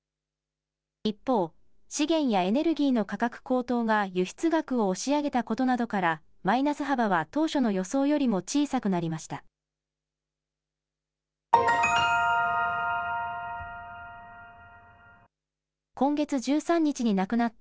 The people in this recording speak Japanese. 一方、資源やエネルギーの価格高騰が輸出額を押し上げたことなどからマイナス幅は当初の予想よりも小さくなりました。